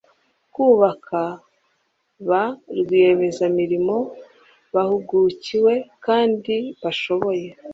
bakaba ba rwiyemezamirimo bahugukiwe kandi bashoboye